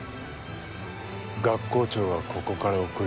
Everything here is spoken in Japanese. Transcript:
「学校長はここから送り出して」